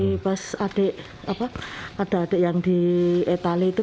dari pas adik apa ada adik yang di etale itu